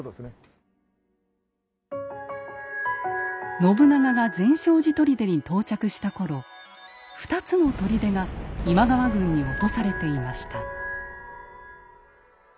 信長が善照寺砦に到着した頃２つの砦が今川軍に落とされていました。